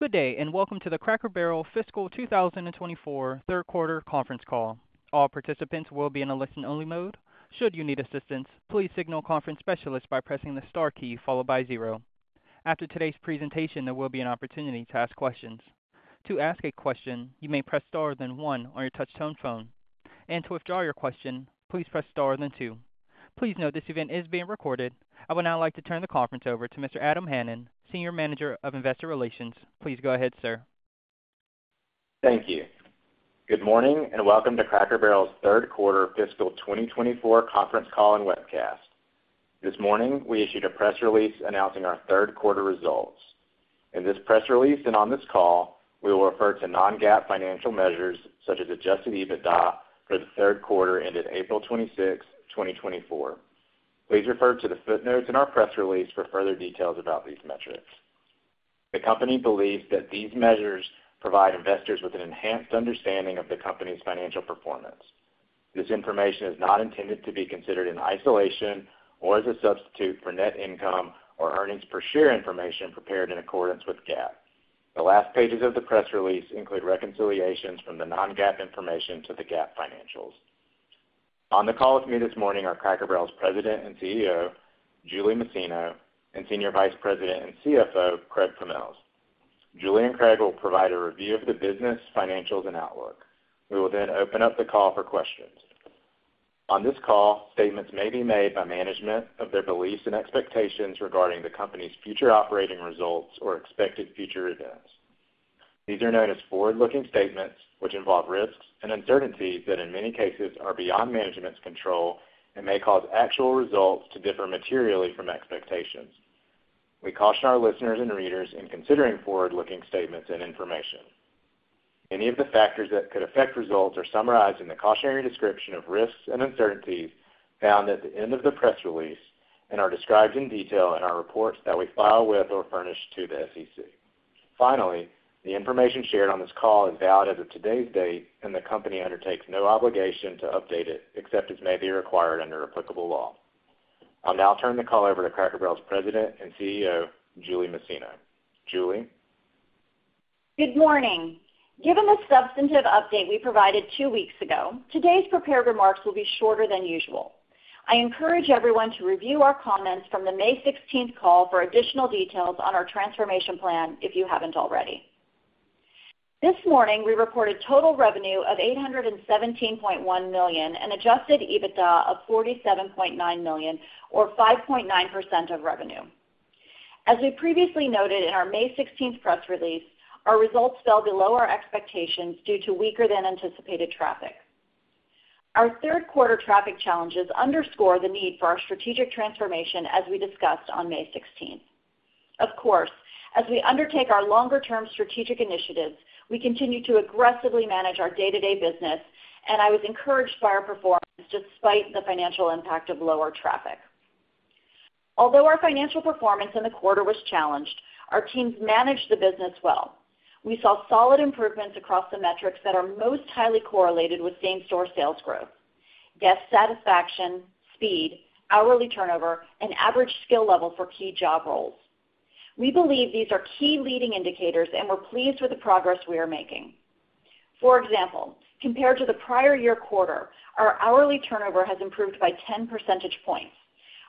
Good day, and welcome to the Cracker Barrel Fiscal 2024 Third Quarter Conference Call. All participants will be in a listen-only mode. Should you need assistance, please signal conference specialist by pressing the star key followed by zero. After today's presentation, there will be an opportunity to ask questions. To ask a question, you may press star, then one on your touchtone phone, and to withdraw your question, please press star, then two. Please note this event is being recorded. I would now like to turn the conference over to Mr. Adam Hanan, Senior Manager of Investor Relations. Please go ahead, sir. Thank you. Good morning, and welcome to Cracker Barrel's Third Quarter Fiscal 2024 conference call and webcast. This morning, we issued a press release announcing our third quarter results. In this press release and on this call, we will refer to non-GAAP financial measures, such as adjusted EBITDA, for the third quarter ended April 26, 2024. Please refer to the footnotes in our press release for further details about these metrics. The company believes that these measures provide investors with an enhanced understanding of the company's financial performance. This information is not intended to be considered in isolation or as a substitute for net income or earnings per share information prepared in accordance with GAAP. The last pages of the press release include reconciliations from the non-GAAP information to the GAAP financials. On the call with me this morning are Cracker Barrel's President and CEO, Julie Masino, and Senior Vice President and CFO, Craig Pommells. Julie and Craig will provide a review of the business, financials, and outlook. We will then open up the call for questions. On this call, statements may be made by management of their beliefs and expectations regarding the company's future operating results or expected future events. These are known as forward-looking statements, which involve risks and uncertainties that, in many cases, are beyond management's control and may cause actual results to differ materially from expectations. We caution our listeners and readers in considering forward-looking statements and information. Any of the factors that could affect results are summarized in the cautionary description of risks and uncertainties found at the end of the press release and are described in detail in our reports that we file with or furnish to the SEC. Finally, the information shared on this call is valid as of today's date, and the company undertakes no obligation to update it, except as may be required under applicable law. I'll now turn the call over to Cracker Barrel's President and CEO, Julie Masino. Julie? Good morning. Given the substantive update we provided two weeks ago, today's prepared remarks will be shorter than usual. I encourage everyone to review our comments from the May 16th call for additional details on our transformation plan if you haven't already. This morning, we reported total revenue of $817.1 million and Adjusted EBITDA of $47.9 million, or 5.9% of revenue. As we previously noted in our May 16th press release, our results fell below our expectations due to weaker than anticipated traffic. Our third quarter traffic challenges underscore the need for our strategic transformation, as we discussed on May 16th. Of course, as we undertake our longer-term strategic initiatives, we continue to aggressively manage our day-to-day business, and I was encouraged by our performance despite the financial impact of lower traffic. Although our financial performance in the quarter was challenged, our teams managed the business well. We saw solid improvements across the metrics that are most highly correlated with same-store sales growth, guest satisfaction, speed, hourly turnover, and average skill level for key job roles. We believe these are key leading indicators, and we're pleased with the progress we are making. For example, compared to the prior year quarter, our hourly turnover has improved by 10 percentage points.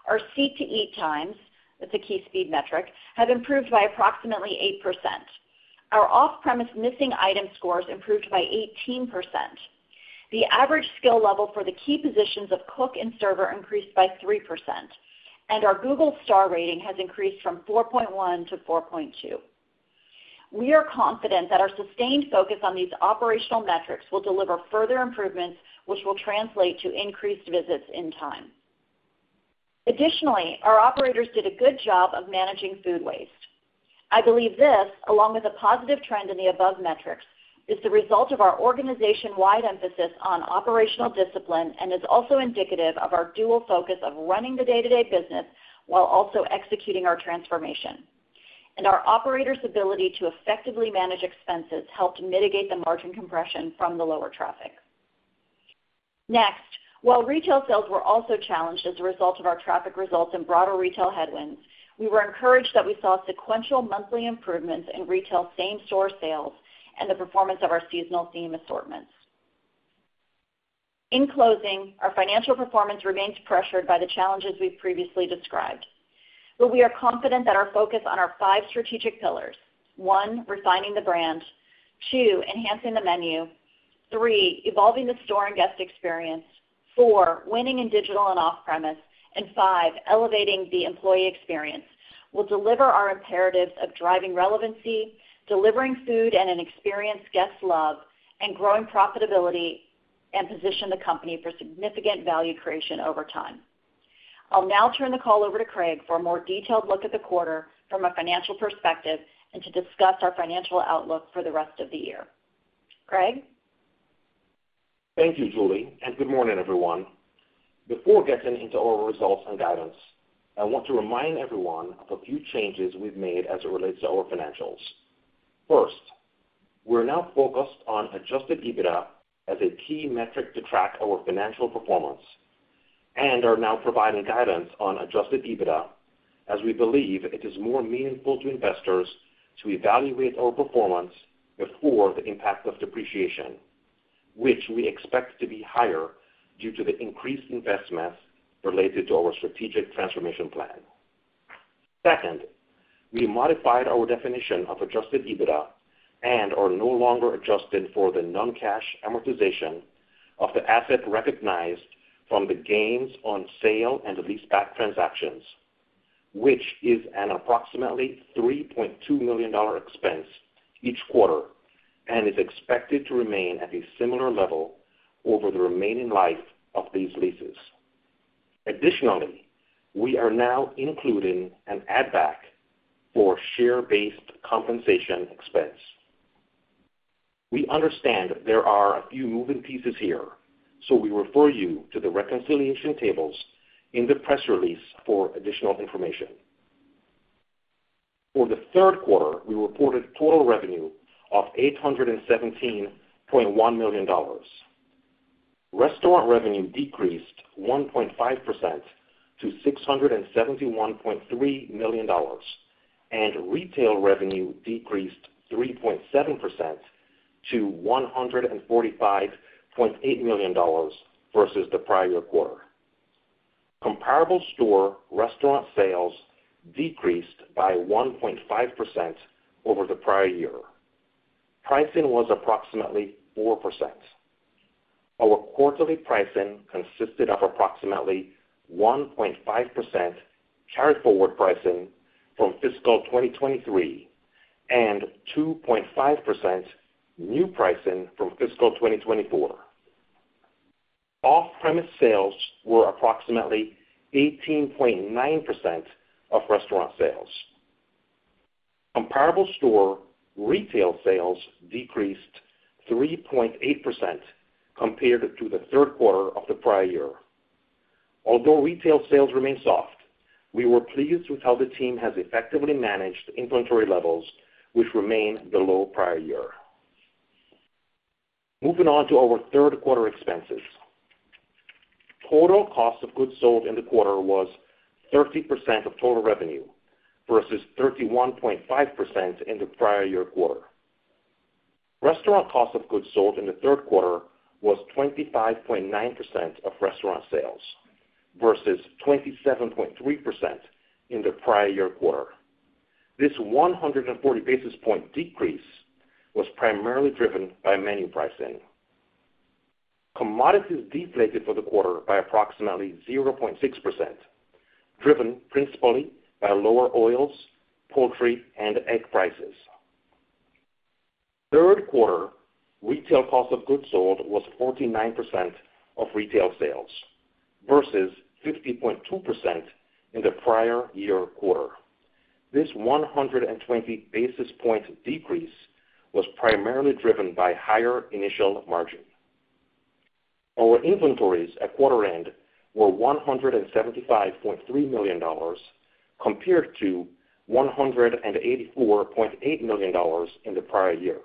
Our Seat to Eat times, that's a key speed metric, have improved by approximately 8%. Our off-premise missing item scores improved by 18%. The average skill level for the key positions of cook and server increased by 3%, and our Google Star Rating has increased from 4.1 to 4.2. We are confident that our sustained focus on these operational metrics will deliver further improvements, which will translate to increased visits in time. Additionally, our operators did a good job of managing food waste. I believe this, along with a positive trend in the above metrics, is the result of our organization-wide emphasis on operational discipline and is also indicative of our dual focus of running the day-to-day business while also executing our transformation. And our operators' ability to effectively manage expenses helped mitigate the margin compression from the lower traffic. Next, while retail sales were also challenged as a result of our traffic results and broader retail headwinds, we were encouraged that we saw sequential monthly improvements in retail same-store sales and the performance of our seasonal theme assortments. In closing, our financial performance remains pressured by the challenges we've previously described, but we are confident that our focus on our five strategic pillars: one, refining the brand, two, enhancing the menu, three, evolving the store and guest experience, four, winning in digital and off-premise, and five, elevating the employee experience, will deliver our imperatives of driving relevancy, delivering food and an experience guests love, and growing profitability and position the company for significant value creation over time. I'll now turn the call over to Craig for a more detailed look at the quarter from a financial perspective and to discuss our financial outlook for the rest of the year. Craig? Thank you, Julie, and good morning, everyone. Before getting into our results and guidance, I want to remind everyone of a few changes we've made as it relates to our financials. First, we're now focused on Adjusted EBITDA as a key metric to track our financial performance, and are now providing guidance on Adjusted EBITDA, as we believe it is more meaningful to investors to evaluate our performance before the impact of depreciation, which we expect to be higher due to the increased investments related to our strategic transformation plan. Second, we modified our definition of Adjusted EBITDA and are no longer adjusting for the non-cash amortization of the asset recognized from the gains on sale and the leaseback transactions, which is an approximately $3.2 million expense each quarter, and is expected to remain at a similar level over the remaining life of these leases. Additionally, we are now including an add-back for share-based compensation expense. We understand there are a few moving pieces here, so we refer you to the reconciliation tables in the press release for additional information. For the third quarter, we reported total revenue of $817.1 million. Restaurant revenue decreased 1.5% to $671.3 million, and retail revenue decreased 3.7% to $145.8 million versus the prior quarter. Comparable store restaurant sales decreased by 1.5% over the prior year. Pricing was approximately 4%. Our quarterly pricing consisted of approximately 1.5% carried forward pricing from fiscal 2023, and 2.5% new pricing from fiscal 2024. Off-premise sales were approximately 18.9% of restaurant sales. Comparable store retail sales decreased 3.8% compared to the third quarter of the prior year. Although retail sales remain soft, we were pleased with how the team has effectively managed inventory levels, which remain below prior year. Moving on to our third quarter expenses. Total cost of goods sold in the quarter was 30% of total revenue, versus 31.5% in the prior year quarter. Restaurant cost of goods sold in the third quarter was 25.9% of restaurant sales, versus 27.3% in the prior year quarter. This 140 basis point decrease was primarily driven by menu pricing. Commodities deflated for the quarter by approximately 0.6%, driven principally by lower oils, poultry, and egg prices. Third quarter retail cost of goods sold was 49% of retail sales, versus 50.2% in the prior year quarter. This 120 basis points decrease was primarily driven by higher initial margin. Our inventories at quarter end were $175.3 million, compared to $184.8 million in the prior year.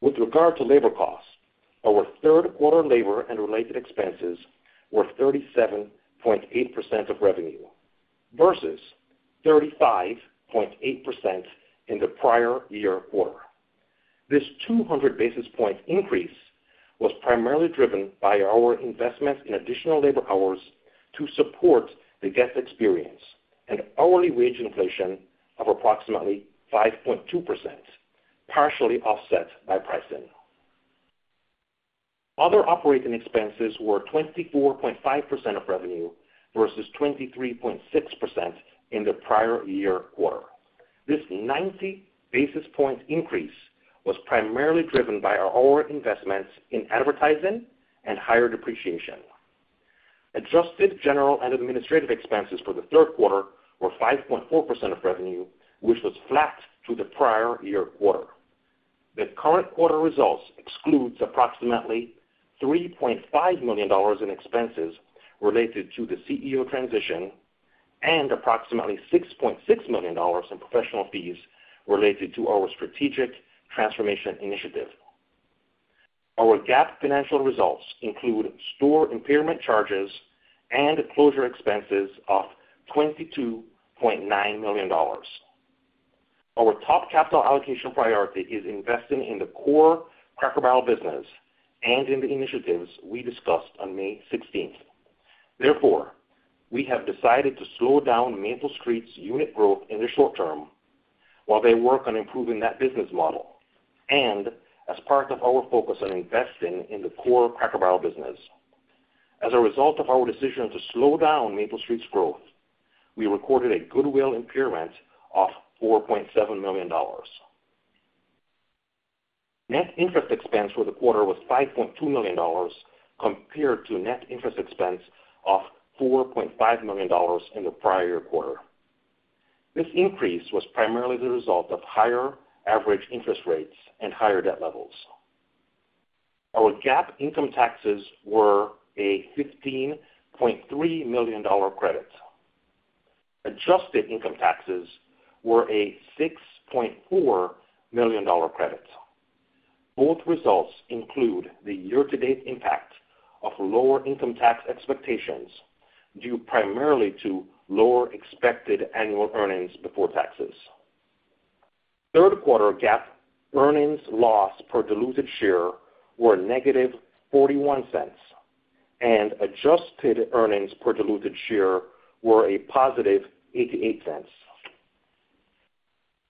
With regard to labor costs, our third quarter labor and related expenses were 37.8% of revenue, versus 35.8% in the prior year quarter. This 200 basis point increase was primarily driven by our investment in additional labor hours to support the guest experience, and hourly wage inflation of approximately 5.2%, partially offset by pricing. Other operating expenses were 24.5% of revenue, versus 23.6% in the prior year quarter. This 90 basis points increase was primarily driven by our investments in advertising and higher depreciation. Adjusted general and administrative expenses for the third quarter were 5.4% of revenue, which was flat to the prior year quarter. The current quarter results excludes approximately $3.5 million in expenses related to the CEO transition, and approximately $6.6 million in professional fees related to our strategic transformation initiative. Our GAAP financial results include store impairment charges and closure expenses of $22.9 million. Our top capital allocation priority is investing in the core Cracker Barrel business and in the initiatives we discussed on May sixteenth. Therefore, we have decided to slow down Maple Street's unit growth in the short term, while they work on improving that business model, and as part of our focus on investing in the core Cracker Barrel business. As a result of our decision to slow down Maple Street's growth, we recorded a goodwill impairment of $4.7 million. Net interest expense for the quarter was $5.2 million, compared to net interest expense of $4.5 million in the prior quarter. This increase was primarily the result of higher average interest rates and higher debt levels. Our GAAP income taxes were a $15.3 million credit. Adjusted income taxes were a $6.4 million credit. Both results include the year-to-date impact of lower income tax expectations, due primarily to lower expected annual earnings before taxes. Third quarter GAAP earnings loss per diluted share were -$0.41, and adjusted earnings per diluted share were a positive $0.88.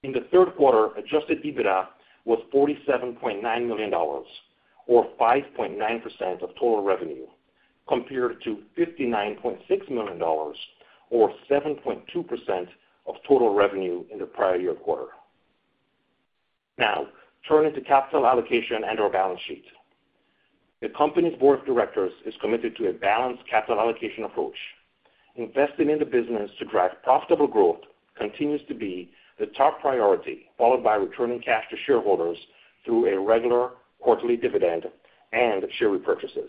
In the third quarter, Adjusted EBITDA was $47.9 million, or 5.9% of total revenue, compared to $59.6 million, or 7.2% of total revenue in the prior year quarter. Now, turning to capital allocation and our balance sheet. The company's board of directors is committed to a balanced capital allocation approach. Investing in the business to drive profitable growth continues to be the top priority, followed by returning cash to shareholders through a regular quarterly dividend and share repurchases.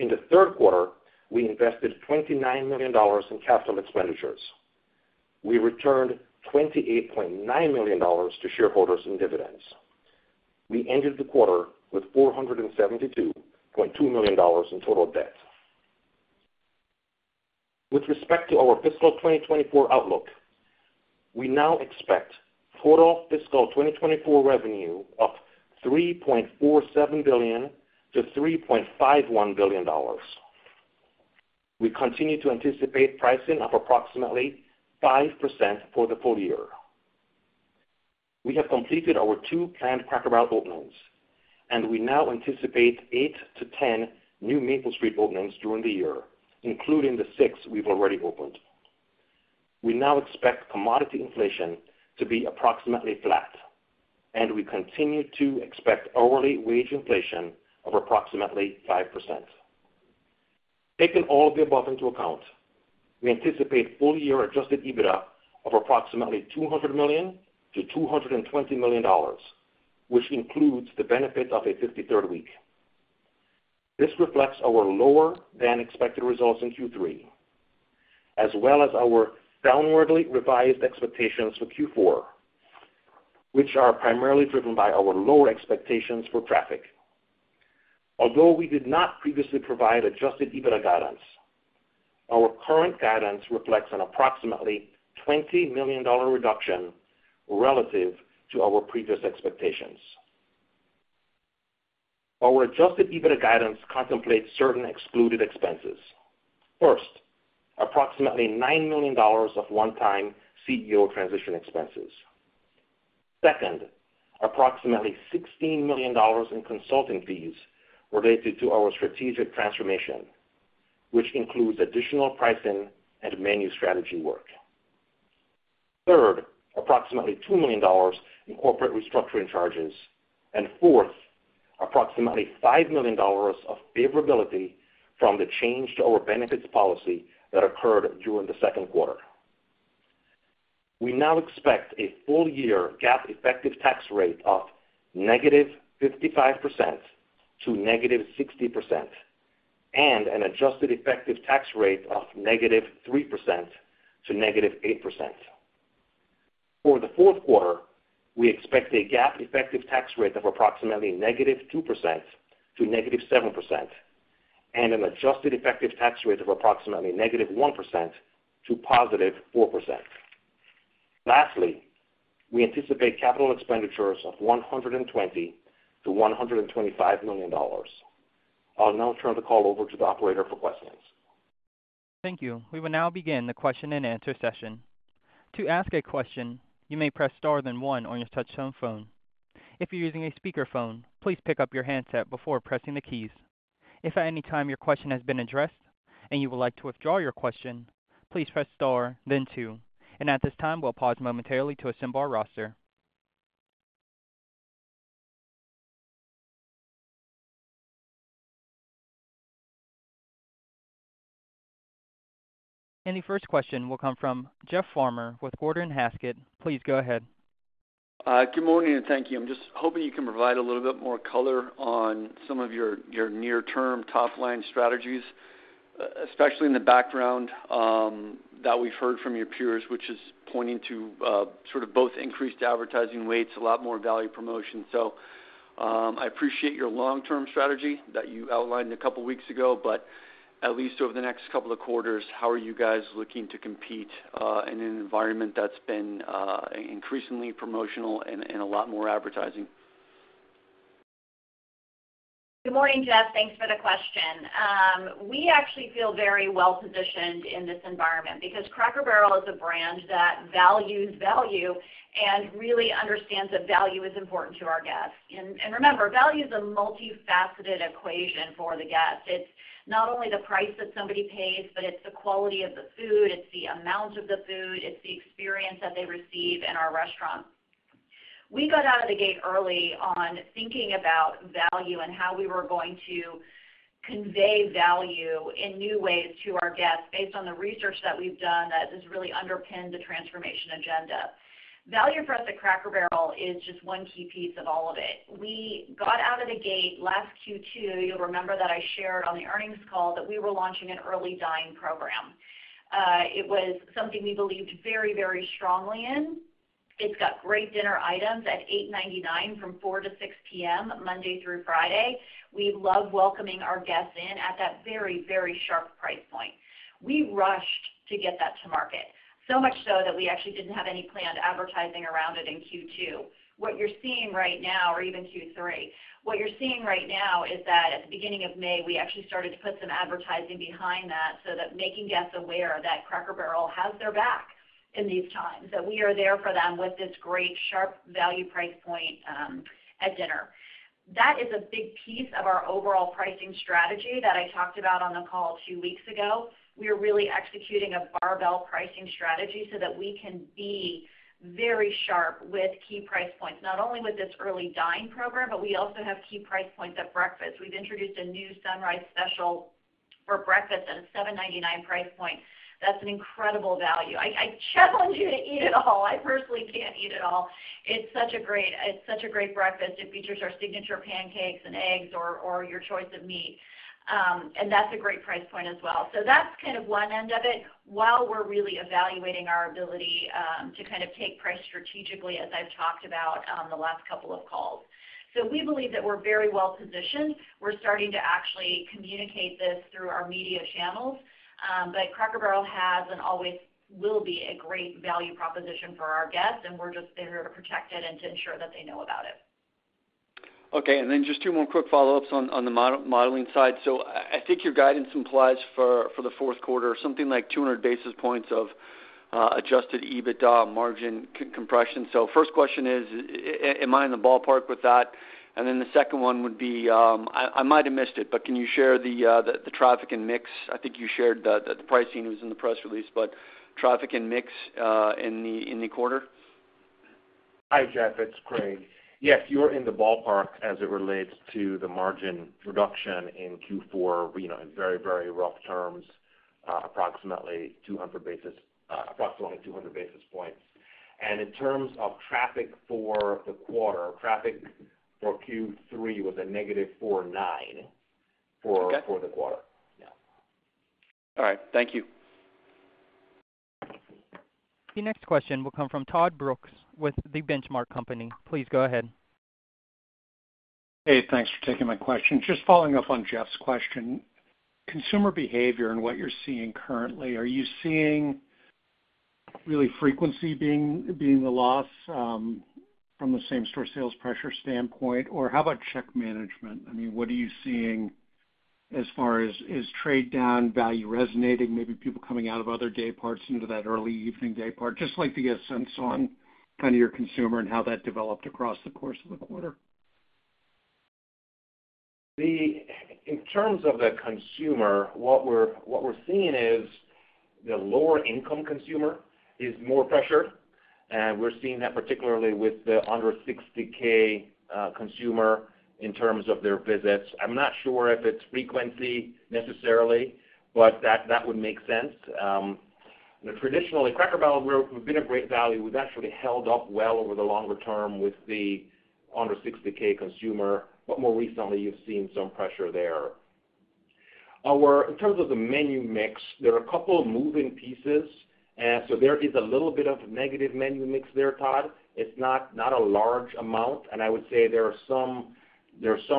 In the third quarter, we invested $29 million in capital expenditures. We returned $28.9 million to shareholders in dividends. We ended the quarter with $472.2 million in total debt. With respect to our fiscal 2024 outlook, we now expect total fiscal 2024 revenue of $3.47 billion-$3.51 billion. We continue to anticipate pricing of approximately 5% for the full year. We have completed our 2 planned Cracker Barrel openings, and we now anticipate 8-10 new Maple Street openings during the year, including the 6 we've already opened. We now expect commodity inflation to be approximately flat, and we continue to expect hourly wage inflation of approximately 5%. Taking all of the above into account, we anticipate full year Adjusted EBITDA of approximately $200 million-$220 million, which includes the benefit of a 53rd week. This reflects our lower than expected results in Q3, as well as our downwardly revised expectations for Q4, which are primarily driven by our lower expectations for traffic. Although we did not previously provide Adjusted EBITDA guidance, our current guidance reflects an approximately $20 million reduction relative to our previous expectations. Our Adjusted EBITDA guidance contemplates certain excluded expenses. First, approximately $9 million of one-time CEO transition expenses. Second, approximately $16 million in consulting fees related to our strategic transformation, which includes additional pricing and menu strategy work. Third, approximately $2 million in corporate restructuring charges. And fourth, approximately $5 million of favorability from the change to our benefits policy that occurred during the second quarter. We now expect a full year GAAP effective tax rate of -55% to -60%, and an adjusted effective tax rate of -3% to -8%. For the fourth quarter, we expect a GAAP effective tax rate of approximately -2% to -7%, and an adjusted effective tax rate of approximately -1% to +4%. Lastly, we anticipate capital expenditures of $120 million-$125 million. I'll now turn the call over to the operator for questions. Thank you. We will now begin the question-and-answer session. To ask a question, you may press star then one on your touchtone phone. If you're using a speakerphone, please pick up your handset before pressing the keys. If at any time your question has been addressed and you would like to withdraw your question, please press star then two. At this time, we'll pause momentarily to assemble our roster. The first question will come from Jeff Farmer with Gordon Haskett. Please go ahead. Good morning, and thank you. I'm just hoping you can provide a little bit more color on some of your, your near-term top-line strategies, especially in the background, that we've heard from your peers, which is pointing to, sort of both increased advertising weights, a lot more value promotion. So, I appreciate your long-term strategy that you outlined a couple of weeks ago, but at least over the next couple of quarters, how are you guys looking to compete, in an environment that's been, increasingly promotional and, and a lot more advertising? Good morning, Jeff. Thanks for the question. We actually feel very well positioned in this environment because Cracker Barrel is a brand that values value and really understands that value is important to our guests. And remember, value is a multifaceted equation for the guest. It's not only the price that somebody pays, but it's the quality of the food, it's the amount of the food, it's the experience that they receive in our restaurant. We got out of the gate early on thinking about value and how we were going to convey value in new ways to our guests based on the research that we've done that has really underpinned the transformation agenda. Value for us at Cracker Barrel is just one key piece of all of it. We got out of the gate last Q2. You'll remember that I shared on the earnings call that we were launching an Early Dine program. It was something we believed very, very strongly in. It's got great dinner items at $8.99 from 4-6 P.M., Monday through Friday. We love welcoming our guests in at that very, very sharp price point. We rushed to get that to market, so much so that we actually didn't have any planned advertising around it in Q2. What you're seeing right now, or even Q3, what you're seeing right now is that at the beginning of May, we actually started to put some advertising behind that so that making guests aware that Cracker Barrel has their back in these times, that we are there for them with this great, sharp value price point at dinner. That is a big piece of our overall pricing strategy that I talked about on the call a few weeks ago. We are really executing a barbell pricing strategy so that we can be very sharp with key price points, not only with this Early Dine program, but we also have key price points at breakfast. We've introduced a new Sunrise Special for breakfast at a $7.99 price point. That's an incredible value. I challenge you to eat it all. I personally can't eat it all. It's such a great breakfast. It features our Signature Pancakes and eggs or your choice of meat, and that's a great price point as well. So that's kind of one end of it, while we're really evaluating our ability to kind of take price strategically, as I've talked about on the last couple of calls. So we believe that we're very well positioned. We're starting to actually communicate this through our media channels, but Cracker Barrel has and always will be a great value proposition for our guests, and we're just there to protect it and to ensure that they know about it. Okay, and then just two more quick follow-ups on the modeling side. So I think your guidance implies for the fourth quarter something like 200 basis points of Adjusted EBITDA margin compression. So first question is, am I in the ballpark with that? And then the second one would be, I might have missed it, but can you share the traffic and mix? I think you shared the pricing was in the press release, but traffic and mix in the quarter? Hi, Jeff, it's Craig. Yes, you are in the ballpark as it relates to the margin reduction in Q4, you know, in very, very rough terms, approximately 200 basis points. And in terms of traffic for the quarter, traffic for Q3 was a negative 4.9 for- Okay. for the quarter. Yeah. All right. Thank you. Your next question will come from Todd Brooks with The Benchmark Company. Please go ahead. Hey, thanks for taking my question. Just following up on Jeff's question, consumer behavior and what you're seeing currently, are you seeing really frequency being the loss from the same-store sales pressure standpoint? Or how about check management? I mean, what are you seeing as far as, is trade down value resonating, maybe people coming out of other day parts into that early evening day part? Just like to get a sense on kind of your consumer and how that developed across the course of the quarter. In terms of the consumer, what we're seeing is the lower income consumer is more pressured, and we're seeing that particularly with the under 60K consumer in terms of their visits. I'm not sure if it's frequency necessarily, but that would make sense. Traditionally, Cracker Barrel, we've been a great value. We've actually held up well over the longer term with the under 60K consumer, but more recently, you've seen some pressure there. In terms of the menu mix, there are a couple of moving pieces, so there is a little bit of negative menu mix there, Todd. It's not a large amount, and I would say there are some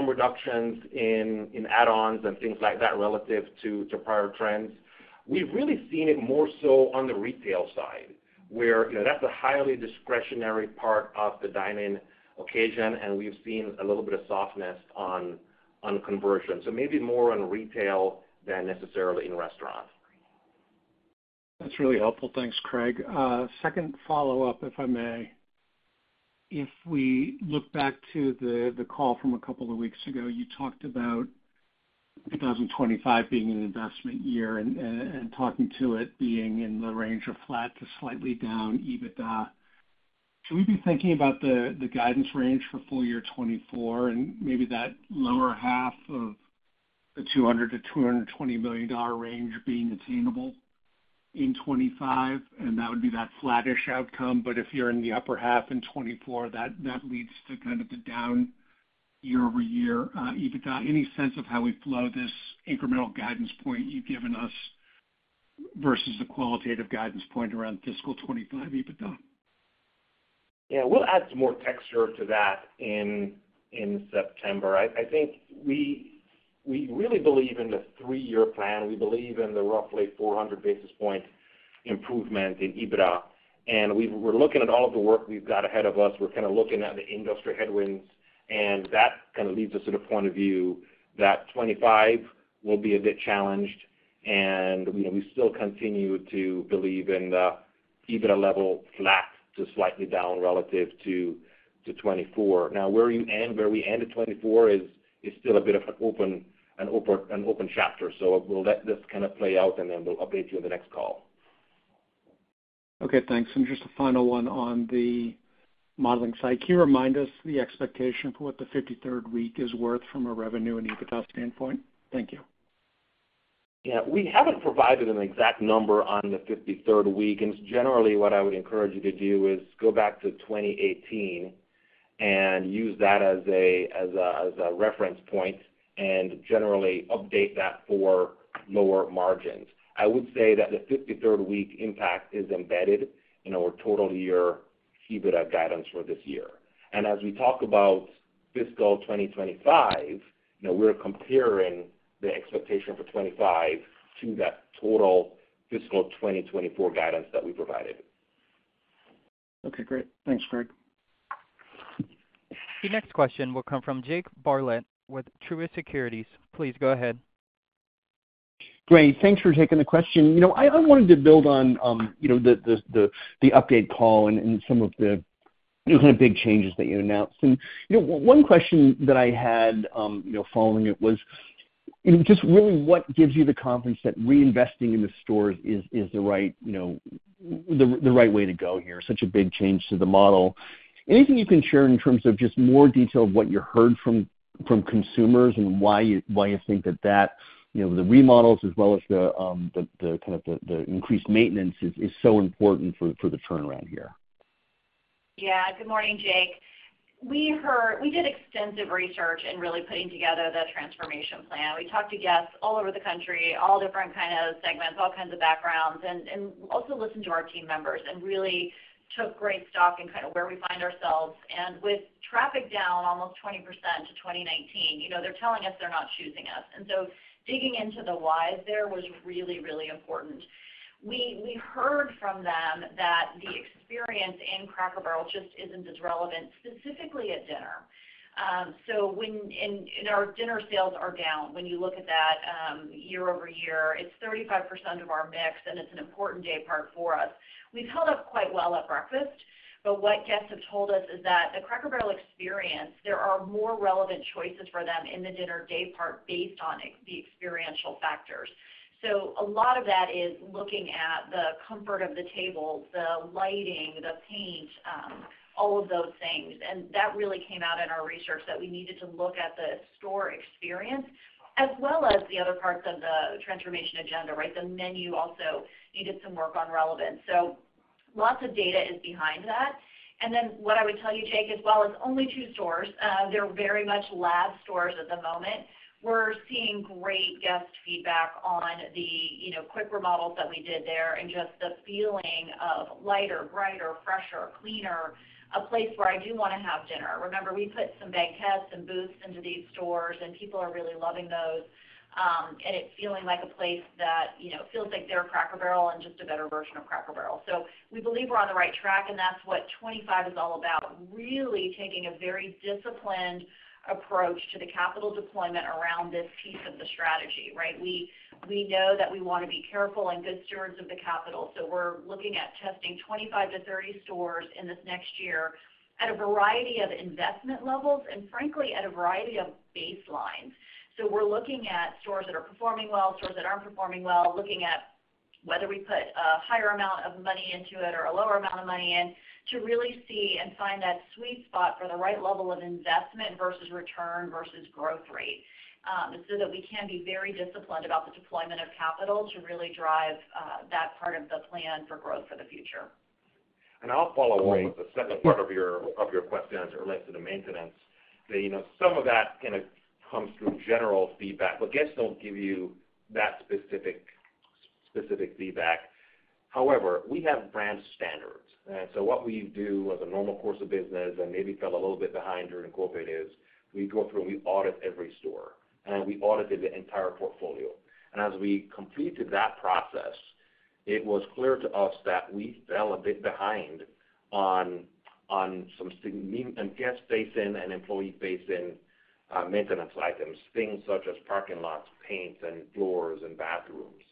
reductions in add-ons and things like that relative to prior trends. We've really seen it more so on the retail side, where, you know, that's a highly discretionary part of the dine-in occasion, and we've seen a little bit of softness on conversion. So maybe more on retail than necessarily in restaurants. That's really helpful. Thanks, Craig. Second follow-up, if I may. If we look back to the call from a couple of weeks ago, you talked about 2025 being an investment year and talking to it being in the range of flat to slightly down EBITDA. Should we be thinking about the guidance range for full year 2024 and maybe that lower half of the $200-$220 million range being attainable in 2025, and that would be that flattish outcome. But if you're in the upper half in 2024, that leads to kind of the down year-over-year EBITDA. Any sense of how we flow this incremental guidance point you've given us versus the qualitative guidance point around fiscal 2025 EBITDA? Yeah, we'll add some more texture to that in September. I think we really believe in the three-year plan. We believe in the roughly 400 basis point improvement in EBITDA, and we're looking at all of the work we've got ahead of us. We're kind of looking at the industry headwinds, and that kind of leads us to the point of view that 2025 will be a bit challenged, and, you know, we still continue to believe in the EBITDA level flat to slightly down relative to 2024. Now, where we end at 2024 is still a bit of an open chapter. So we'll let this kind of play out, and then we'll update you on the next call. Okay, thanks. Just a final one on the modeling side. Can you remind us the expectation for what the fifty-third Week is worth from a revenue and EBITDA standpoint? Thank you. Yeah, we haven't provided an exact number on the fifty-third week, and generally, what I would encourage you to do is go back to 2018 and use that as a reference point, and generally update that for lower margins. I would say that the fifty-third week impact is embedded in our total year EBITDA guidance for this year. And as we talk about fiscal 2025, you know, we're comparing the expectation for 25 to that total fiscal 2024 guidance that we provided. Okay, great. Thanks, Greg. The next question will come from Jake Bartlett with Truist Securities. Please go ahead. Great, thanks for taking the question. You know, I wanted to build on, you know, the update call and some of the kind of big changes that you announced. You know, one question that I had, you know, following it was, you know, just really, what gives you the confidence that reinvesting in the stores is the right way to go here? Such a big change to the model. Anything you can share in terms of just more detail of what you heard from consumers and why you think that the remodels as well as the kind of the increased maintenance is so important for the turnaround here? Yeah. Good morning, Jake. We did extensive research in really putting together the transformation plan. We talked to guests all over the country, all different kind of segments, all kinds of backgrounds, and also listened to our team members and really took great stock in kind of where we find ourselves. And with traffic down almost 20% to 2019, you know, they're telling us they're not choosing us. And so digging into the whys there was really, really important. We heard from them that the experience in Cracker Barrel just isn't as relevant, specifically at dinner. So, our dinner sales are down. When you look at that, year-over-year, it's 35% of our mix, and it's an important day part for us. We've held up quite well at breakfast, but what guests have told us is that the Cracker Barrel experience, there are more relevant choices for them in the dinner day part based on the experiential factors. So a lot of that is looking at the comfort of the table, the lighting, the paint, all of those things. And that really came out in our research, that we needed to look at the store experience as well as the other parts of the transformation agenda, right? The menu also needed some work on relevance. So lots of data is behind that. And then what I would tell you, Jake, as well, it's only two stores. They're very much lab stores at the moment. We're seeing great guest feedback on the, you know, quick remodels that we did there, and just the feeling of lighter, brighter, fresher, cleaner, a place where I do want to have dinner. Remember, we put some banquettes and booths into these stores, and people are really loving those. And it's feeling like a place that, you know, feels like they're Cracker Barrel and just a better version of Cracker Barrel. So we believe we're on the right track, and that's what 2025 is all about, really taking a very disciplined approach to the capital deployment around this piece of the strategy, right? We know that we want to be careful and good stewards of the capital, so we're looking at testing 25-30 stores in this next year at a variety of investment levels, and frankly, at a variety of baselines. So we're looking at stores that are performing well, stores that aren't performing well, looking at whether we put a higher amount of money into it or a lower amount of money in, to really see and find that sweet spot for the right level of investment versus return versus growth rate, so that we can be very disciplined about the deployment of capital to really drive that part of the plan for growth for the future. I'll follow on with the second part of your question as it relates to the maintenance. You know, some of that kind of comes through general feedback, but guests don't give you that specific feedback. However, we have brand standards, and so what we do as a normal course of business, and maybe fell a little bit behind during COVID, is we go through and we audit every store, and we audited the entire portfolio. And as we completed that process, it was clear to us that we fell a bit behind on some significant and guest-facing and employee-facing maintenance items, things such as parking lots, paints and floors and bathrooms.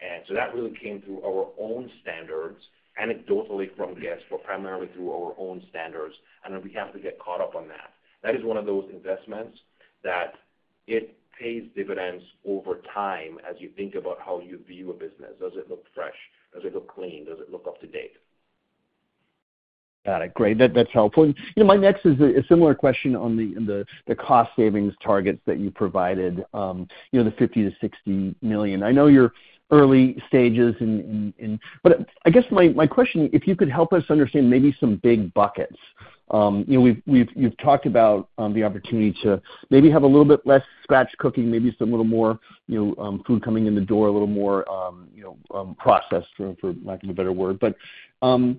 And so that really came through our own standards, anecdotally from guests, but primarily through our own standards, and we have to get caught up on that. That is one of those investments that it pays dividends over time as you think about how you view a business. Does it look fresh? Does it look clean? Does it look up to date? Got it. Great. That's helpful. You know, my next is a similar question on the cost savings targets that you provided, you know, the $50 million-$60 million. I know you're in early stages. But I guess my question, if you could help us understand maybe some big buckets. You know, we've you've talked about the opportunity to maybe have a little bit less scratch cooking, maybe some little more, you know, food coming in the door, a little more, you know, processed, for lack of a better word. But, you know,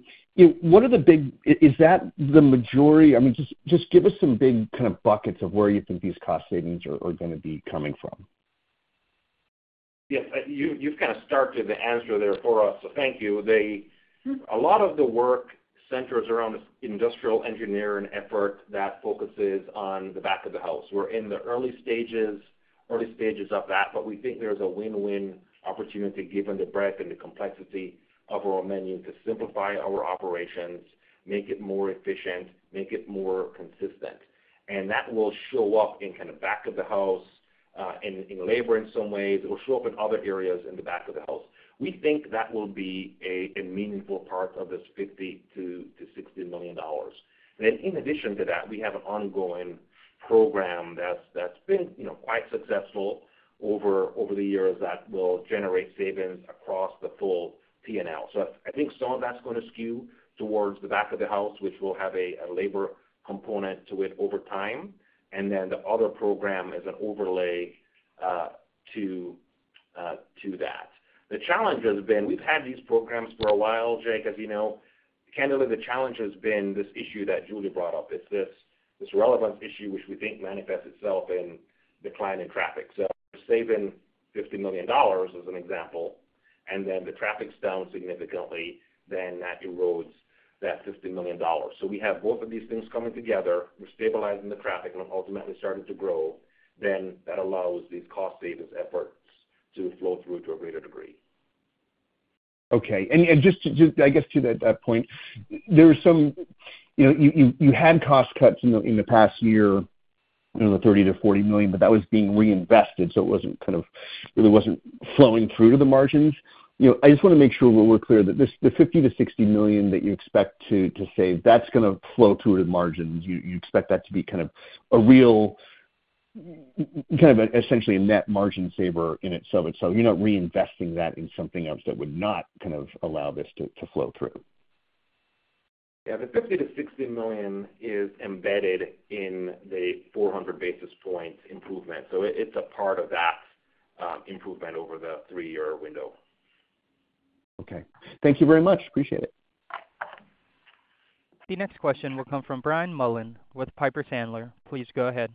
what are the big, Is that the majority? I mean, just give us some big kind of buckets of where you think these cost savings are gonna be coming from. Yes, you've kind of started the answer there for us, so thank you. A lot of the work centers around industrial engineering effort that focuses on the back of the house. We're in the early stages of that, but we think there's a win-win opportunity, given the breadth and the complexity of our menu, to simplify our operations, make it more efficient, make it more consistent. And that will show up in kind of back of the house, in labor in some ways, it will show up in other areas in the back of the house. We think that will be a meaningful part of this $50 million-$60 million. And in addition to that, we have an ongoing program that's been, you know, quite successful over the years that will generate savings across the full P&L. So I think some of that's gonna skew towards the back of the house, which will have a labor component to it over time, and then the other program is an overlay to that. The challenge has been, we've had these programs for a while, Jake, as you know. Candidly, the challenge has been this issue that Julie brought up. It's this relevance issue, which we think manifests itself in declining traffic. So saving $50 million, as an example, and then the traffic's down significantly, then that erodes that $50 million. So we have both of these things coming together. We're stabilizing the traffic and ultimately starting to grow, then that allows these cost savings efforts to flow through to a greater degree. Okay. And just to that point, there was some... You know, you had cost cuts in the past year, you know, the $30 million-$40 million, but that was being reinvested, so it wasn't kind of, it really wasn't flowing through to the margins. You know, I just wanna make sure we're clear that this, the $50 million-$60 million that you expect to save, that's gonna flow through to the margins. You expect that to be kind of a real, kind of essentially a net margin saver in and of itself. You're not reinvesting that in something else that would not kind of allow this to flow through? Yeah, the $50 million-$60 million is embedded in the 400 basis points improvement, so it, it's a part of that improvement over the 3-year window. Okay. Thank you very much. Appreciate it. The next question will come from Brian Mullan with Piper Sandler. Please go ahead.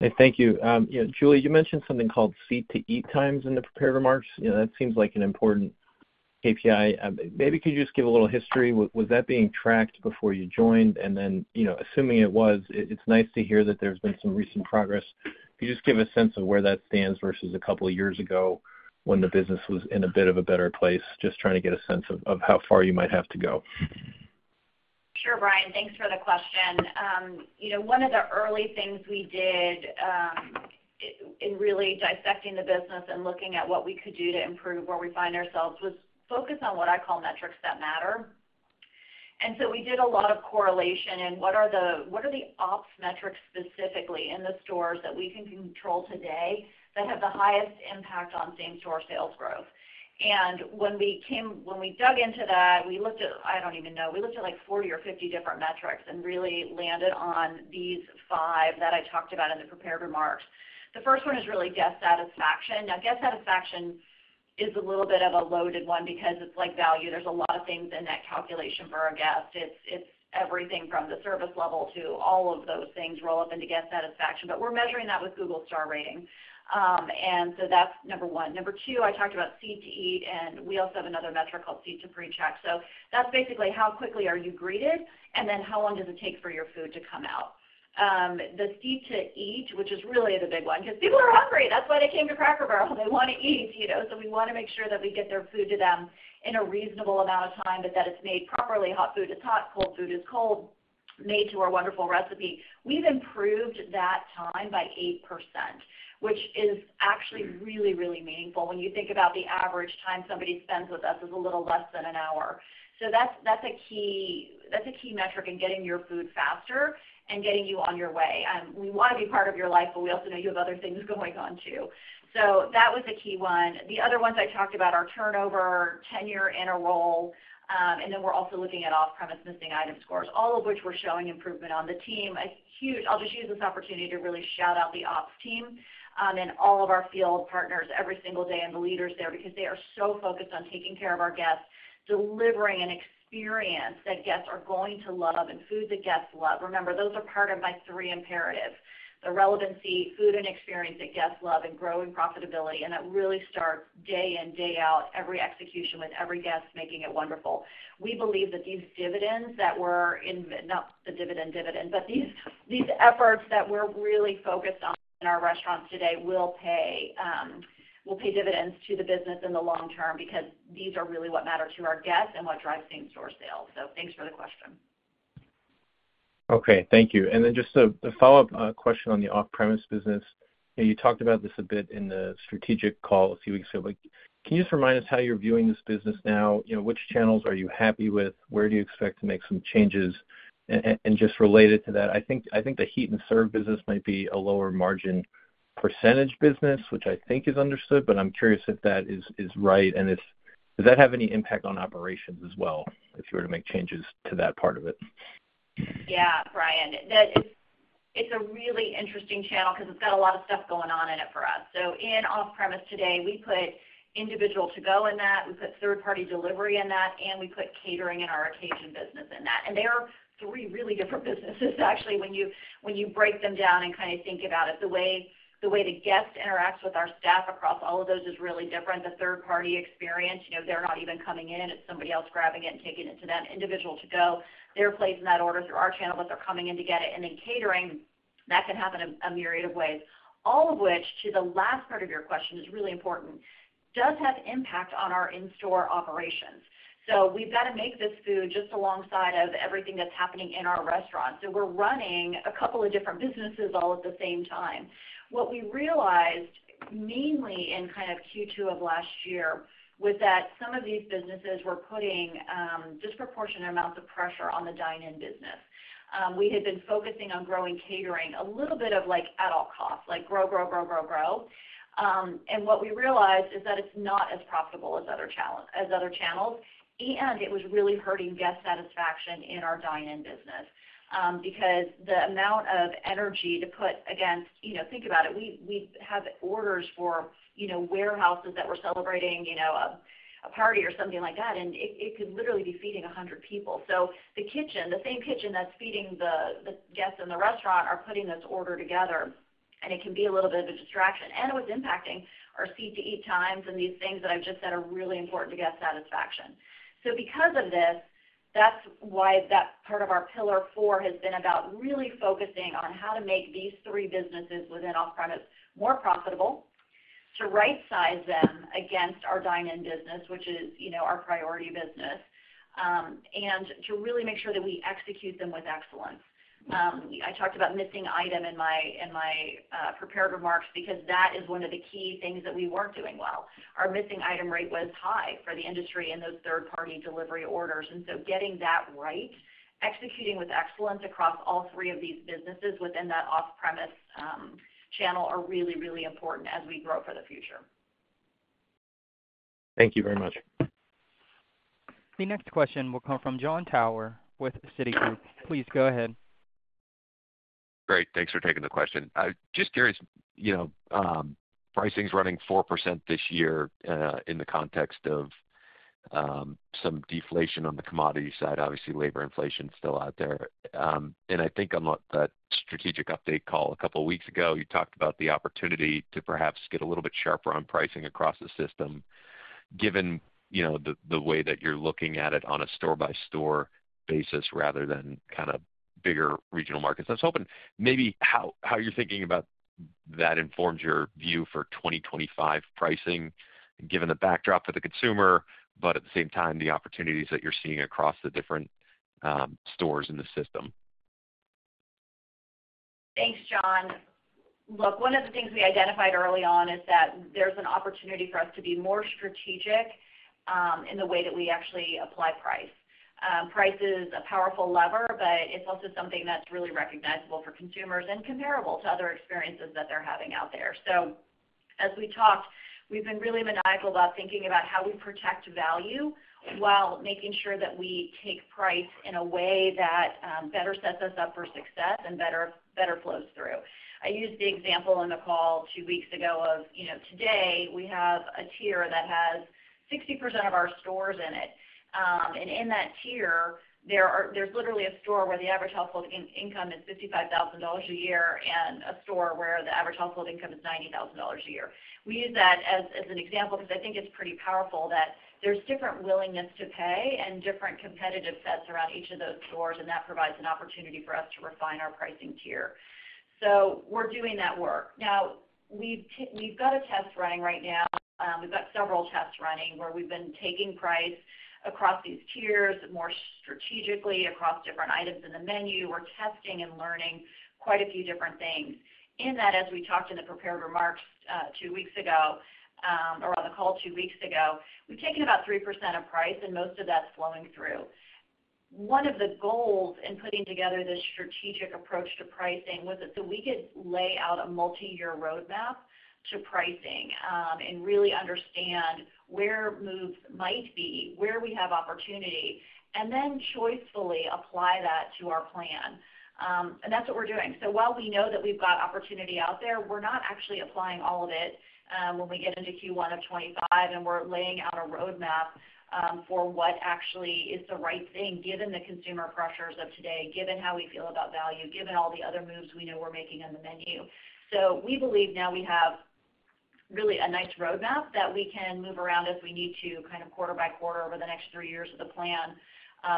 Hey, thank you. You know, Julie, you mentioned something called Seat to Eat times in the prepared remarks. You know, that seems like an important KPI. Maybe could you just give a little history? Was that being tracked before you joined? And then, you know, assuming it was, it's nice to hear that there's been some recent progress. Can you just give a sense of where that stands versus a couple of years ago when the business was in a bit of a better place? Just trying to get a sense of how far you might have to go. Sure, Brian. Thanks for the question. You know, one of the early things we did, in really dissecting the business and looking at what we could do to improve where we find ourselves, was focus on what I call metrics that matter. And so we did a lot of correlation, and what are the, what are the ops metrics specifically in the stores that we can control today that have the highest impact on same-store sales growth? And when we dug into that, we looked at, I don't even know, we looked at, like, 40 or 50 different metrics and really landed on these five that I talked about in the prepared remarks. The first one is really guest satisfaction. Now, guest satisfaction is a little bit of a loaded one because it's like value. There's a lot of things in that calculation for our guests. It's everything from the service level to all of those things roll up into guest satisfaction, but we're measuring that with Google Star Rating. And so that's number one. Number two, I talked about Seat to Eat, and we also have another metric called Seat to Pre-Check. So that's basically how quickly are you greeted, and then how long does it take for your food to come out? The Seat to Eat, which is really the big one, because people are hungry, that's why they came to Cracker Barrel. They wanna eat, you know, so we wanna make sure that we get their food to them in a reasonable amount of time, but that it's made properly. Hot food is hot, cold food is cold, made to our wonderful recipe. We've improved that time by 8%, which is actually really, really meaningful when you think about the average time somebody spends with us is a little less than an hour. So that's, that's a key, that's a key metric in getting your food faster and getting you on your way. We wanna be part of your life, but we also know you have other things going on, too. So that was a key one. The other ones I talked about are turnover, tenure, and a role, and then we're also looking at off-premise missing item scores, all of which we're showing improvement on. The team, I'll just use this opportunity to really shout out the ops team, and all of our field partners every single day, and the leaders there, because they are so focused on taking care of our guests, delivering an experience that guests are going to love and food that guests love. Remember, those are part of my three imperatives: the relevancy, food and experience that guests love, and growing profitability, and that really starts day in, day out, every execution with every guest, making it wonderful. We believe that these dividends that we're—not the dividend, but these efforts that we're really focused on in our restaurants today will pay, will pay dividends to the business in the long term, because these are really what matter to our guests and what drives same-store sales. So thanks for the question. Okay, thank you. And then just a follow-up question on the off-premise business. You talked about this a bit in the strategic call a few weeks ago, but can you just remind us how you're viewing this business now? You know, which channels are you happy with? Where do you expect to make some changes? And just related to that, I think the Heat n' Serve business might be a lower margin percentage business, which I think is understood, but I'm curious if that is right. And does that have any impact on operations as well, if you were to make changes to that part of it? Yeah, Brian, it's a really interesting channel because it's got a lot of stuff going on in it for us. So in off-premise today, we put individual to-go in that, we put third-party delivery in that, and we put catering and our occasion business in that. And they are three really different businesses actually, when you break them down and kind of think about it. The way the guest interacts with our staff across all of those is really different. The third-party experience, you know, they're not even coming in. It's somebody else grabbing it and taking it to them. Individual to-go, they're placing that order through our channel, but they're coming in to get it. And then catering That can happen in a myriad of ways, all of which, to the last part of your question, is really important, does have impact on our in-store operations. So we've got to make this food just alongside of everything that's happening in our restaurant. So we're running a couple of different businesses all at the same time. What we realized, mainly in kind of Q2 of last year, was that some of these businesses were putting disproportionate amounts of pressure on the dine-in business. We had been focusing on growing catering, a little bit of, like, at all costs, like, grow, grow, grow, grow, grow. And what we realized is that it's not as profitable as other channels, and it was really hurting guest satisfaction in our dine-in business. Because the amount of energy to put against. You know, think about it. We have orders for, you know, warehouses that we're celebrating, you know, a party or something like that, and it could literally be feeding 100 people. So the kitchen, the same kitchen that's feeding the guests in the restaurant, are putting this order together, and it can be a little bit of a distraction, and it was impacting our Seat to eat times and these things that I've just said are really important to guest satisfaction. So because of this, that's why that part of our pillar four has been about really focusing on how to make these three businesses within off-premise more profitable, to rightsize them against our dine-in business, which is, you know, our priority business, and to really make sure that we execute them with excellence. I talked about missing item in my prepared remarks because that is one of the key things that we weren't doing well. Our missing item rate was high for the industry in those third-party delivery orders, and so getting that right, executing with excellence across all three of these businesses within that off-premise channel are really, really important as we grow for the future. Thank you very much. The next question will come from Jon Tower with Citigroup. Please go ahead. Great, thanks for taking the question. I'm just curious, you know, pricing's running 4% this year, in the context of, some deflation on the commodity side. Obviously, labor inflation is still out there. And I think on that strategic update call a couple of weeks ago, you talked about the opportunity to perhaps get a little bit sharper on pricing across the system, given, you know, the, the way that you're looking at it on a store-by-store basis rather than kind of bigger regional markets. I was hoping maybe how, how you're thinking about that informs your view for 2025 pricing, given the backdrop for the consumer, but at the same time, the opportunities that you're seeing across the different, stores in the system. Thanks, Jon. Look, one of the things we identified early on is that there's an opportunity for us to be more strategic in the way that we actually apply price. Price is a powerful lever, but it's also something that's really recognizable for consumers and comparable to other experiences that they're having out there. So as we talked, we've been really maniacal about thinking about how we protect value while making sure that we take price in a way that better sets us up for success and better, better flows through. I used the example on the call two weeks ago of, you know, today, we have a tier that has 60% of our stores in it. And in that tier, there's literally a store where the average household income is $55,000 a year and a store where the average household income is $90,000 a year. We use that as, as an example because I think it's pretty powerful that there's different willingness to pay and different competitive sets around each of those stores, and that provides an opportunity for us to refine our pricing tier. So we're doing that work. Now, we've got a test running right now, we've got several tests running, where we've been taking price across these tiers more strategically across different items in the menu. We're testing and learning quite a few different things. In that, as we talked in the prepared remarks, two weeks ago, or on the call two weeks ago, we've taken about 3% of price, and most of that's flowing through. One of the goals in putting together this strategic approach to pricing was that so we could lay out a multiyear roadmap to pricing, and really understand where moves might be, where we have opportunity, and then choicefully apply that to our plan. And that's what we're doing. So while we know that we've got opportunity out there, we're not actually applying all of it, when we get into Q1 of 2025 and we're laying out a roadmap, for what actually is the right thing, given the consumer pressures of today, given how we feel about value, given all the other moves we know we're making on the menu. So we believe now we have really a nice roadmap that we can move around as we need to, kind of quarter by quarter over the next three years of the plan,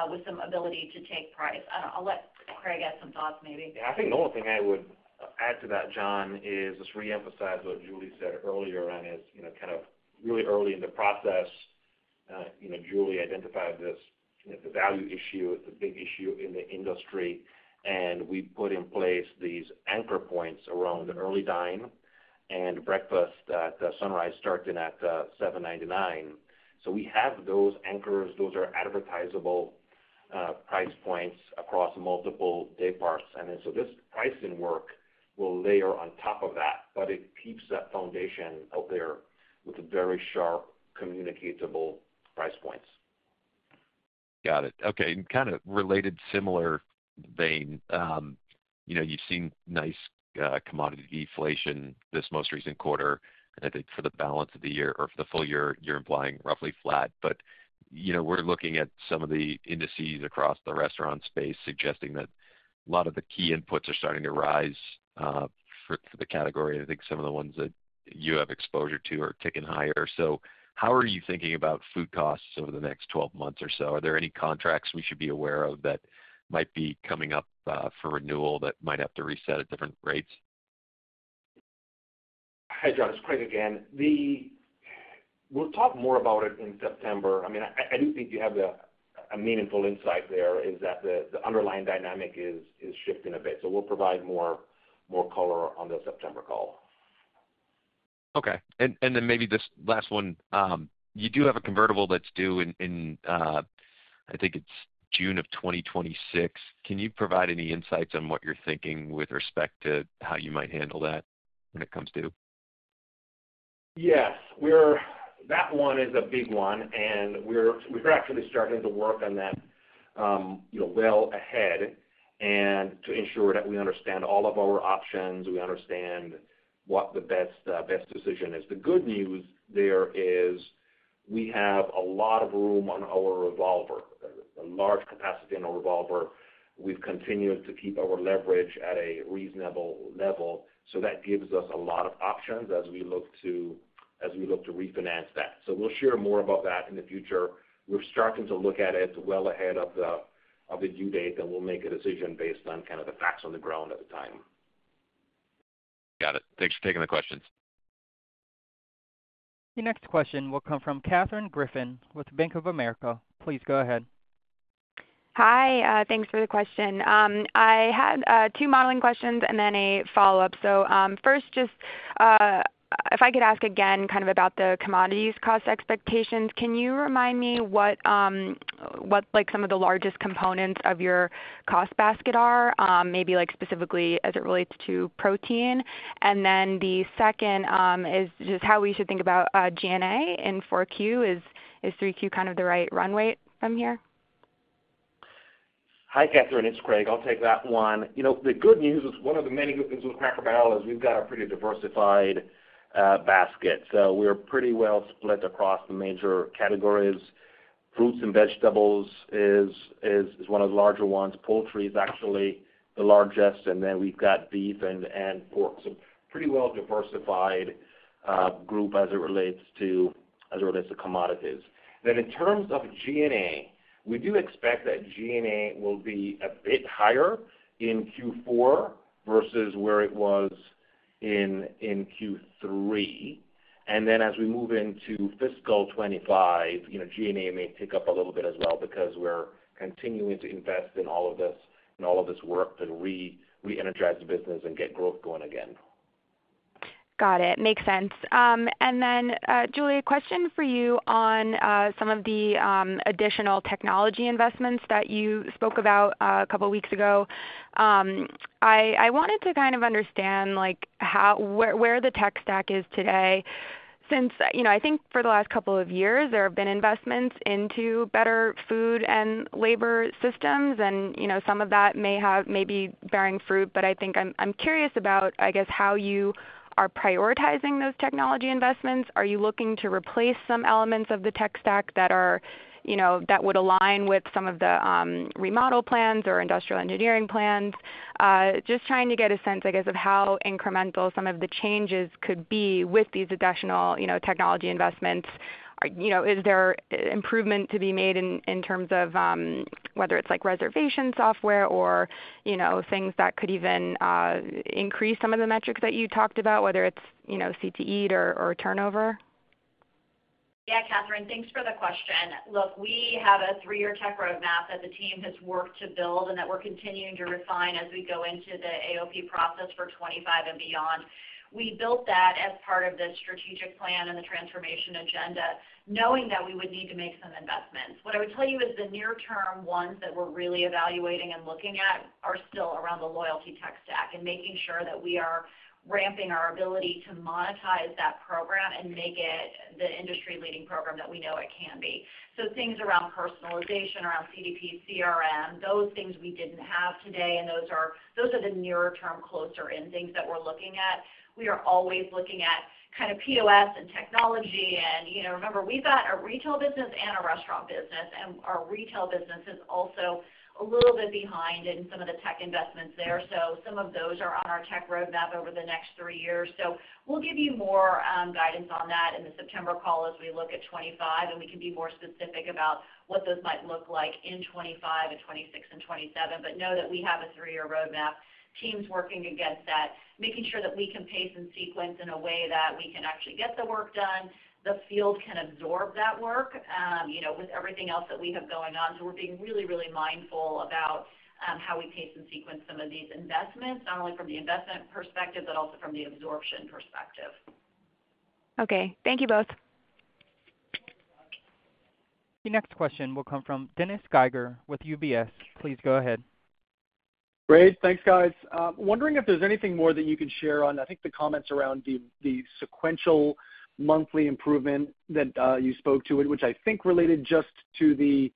with some ability to take price. I, I'll let Craig add some thoughts, maybe. Yeah, I think the only thing I would add to that, Jon, is just reemphasize what Julie said earlier on, is, you know, kind of really early in the process, you know, Julie identified this, the value issue as a big issue in the industry, and we put in place these anchor points around early dine and breakfast at Sunrise, starting at $7.99. So we have those anchors. Those are advertisable price points across multiple day parts. And then, so this pricing work will layer on top of that, but it keeps that foundation out there with a very sharp, communicatable price points. Got it. Okay, and kind of related, similar vein. You know, you've seen nice commodity deflation this most recent quarter. I think for the balance of the year or for the full year, you're implying roughly flat. But, you know, we're looking at some of the indices across the restaurant space, suggesting that a lot of the key inputs are starting to rise for the category. I think some of the ones that you have exposure to are ticking higher. So how are you thinking about food costs over the next 12 months or so? Are there any contracts we should be aware of that might be coming up for renewal, that might have to reset at different rates? Hi, Jon, it's Craig again. We'll talk more about it in September. I mean, I do think you have a meaningful insight there, is that the underlying dynamic is shifting a bit. So we'll provide more color on the September call. Okay. And then maybe this last one, you do have a convertible that's due in, I think it's June of 2026. Can you provide any insights on what you're thinking with respect to how you might handle that when it comes due? Yes. We're. That one is a big one, and we're actually starting to work on that, you know, well ahead, and to ensure that we understand all of our options, we understand what the best best decision is. The good news there is we have a lot of room on our revolver. A large capacity in our revolver. We've continued to keep our leverage at a reasonable level, so that gives us a lot of options as we look to refinance that. So we'll share more about that in the future. We're starting to look at it well ahead of the due date, and we'll make a decision based on kind of the facts on the ground at the time. Got it. Thanks for taking the questions. if I could ask again, kind of about the commodities cost expectations. Can you remind me what, like, some of the largest components of your cost basket are? Maybe, like, specifically as it relates to protein. And then the second, is just how we should think about G&A in 4Q. Is 3Q kind of the right runway from here? Hi, Katherine, it's Craig. I'll take that one. You know, the good news is one of the many good things with Cracker Barrel is we've got a pretty diversified basket. So we're pretty well split across the major categories. Fruits and vegetables is one of the larger ones. Poultry is actually the largest, and then we've got beef and pork. So pretty well diversified group as it relates to commodities. Then in terms of G&A, we do expect that G&A will be a bit higher in Q4 versus where it was in Q3. And then as we move into fiscal 2025, you know, G&A may tick up a little bit as well because we're continuing to invest in all of this work to reenergize the business and get growth going again. Got it. Makes sense. And then, Julie, a question for you on some of the additional technology investments that you spoke about a couple of weeks ago. I wanted to kind of understand, like, how, where the tech stack is today. Since, you know, I think for the last couple of years, there have been investments into better food and labor systems, and, you know, some of that may be bearing fruit. But I think I'm curious about, I guess, how you are prioritizing those technology investments. Are you looking to replace some elements of the tech stack that are, you know, that would align with some of the remodel plans or industrial engineering plans? Just trying to get a sense, I guess, of how incremental some of the changes could be with these additional, you know, technology investments. You know, is there improvement to be made in terms of whether it's like reservation software or, you know, things that could even increase some of the metrics that you talked about, whether it's, you know, CTE or turnover? Yeah, Katherine, thanks for the question. Look, we have a three-year tech roadmap that the team has worked to build and that we're continuing to refine as we go into the AOP process for 25 and beyond. We built that as part of the strategic plan and the transformation agenda, knowing that we would need to make some investments. What I would tell you is the near-term ones that we're really evaluating and looking at are still around the loyalty tech stack and making sure that we are ramping our ability to monetize that program and make it the industry-leading program that we know it can be. So things around personalization, around CDP, CRM, those things we didn't have today, and those are, those are the nearer-term, closer-in things that we're looking at. We are always looking at kind of POS and technology, and, you know, remember, we've got a retail business and a restaurant business, and our retail business is also a little bit behind in some of the tech investments there. So some of those are on our tech roadmap over the next three years. So we'll give you more guidance on that in the September call as we look at 2025, and we can be more specific about what those might look like in 2025 and 2026 and 2027. But know that we have a three-year roadmap, teams working against that, making sure that we can pace and sequence in a way that we can actually get the work done, the field can absorb that work, you know, with everything else that we have going on. So we're being really, really mindful about how we pace and sequence some of these investments, not only from the investment perspective, but also from the absorption perspective. Okay. Thank you both. Your next question will come from Dennis Geiger with UBS. Please go ahead. Great. Thanks, guys. Wondering if there's anything more that you can share on, I think, the comments around the sequential monthly improvement that you spoke to, which I think related just to the